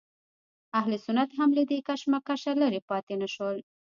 اهل سنت هم له دې کشمکشه لرې پاتې نه شول.